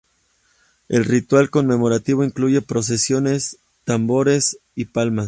El ritual conmemorativo incluye procesiones, tambores y palmas